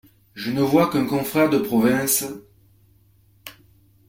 Je ne vois qu’un confrère de province…